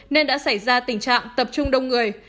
nên đã xảy ra tình trạng tập trung đông người